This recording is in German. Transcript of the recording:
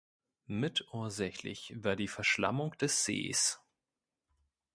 Mitursächlich war die Verschlammung des Sees.